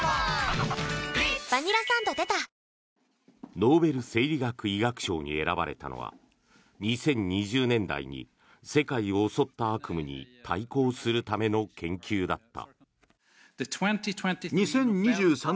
ノーベル生理学医学賞に選ばれたのは２０２０年代に世界を襲った悪夢に対抗するための研究だった。